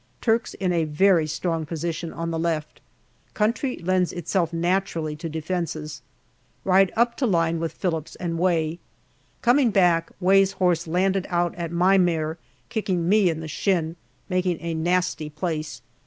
Turks in a very strong position on the left. Country lends itself naturally to defences. Ride up to line with Phillips and Way. Coming back, Way's horse landed out at my mare, kicking me in the shin, making a nasty place.